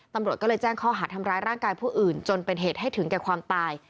ตำรวจก็เลยแจ้งข้อหาทำร้ายร่างกายผู้อื่นจนเป็นเหตุให้ถึงแก่ความตาย